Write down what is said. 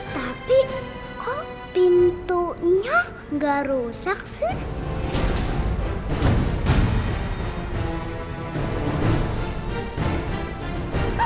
tapi kok pintunya gak rusak sih